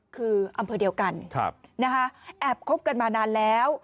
คืออำเภอเดียวกันนะฮะนะฮะแอบคกันมานานแล้ว